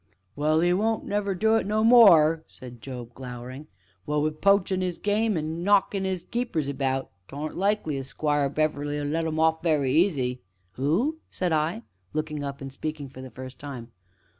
"Well, 'e won't never do it no more," said Job, glowering; "what wi' poachin' 'is game, an' knockin' 'is keepers about, 't aren't likely as Squire Beverley'll let 'im off very easy " "Who?" said I, looking up, and speaking for the first time.